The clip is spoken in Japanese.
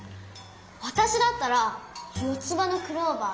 わたしだったら四つ葉のクローバー。